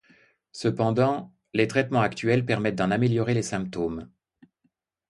Cependant, les traitements actuels permettent d'en améliorer les symptômes.